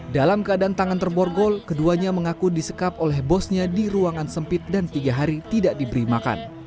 dalam keadaan tangan terborgol keduanya mengaku disekap oleh bosnya di ruangan sempit dan tiga hari tidak diberi makan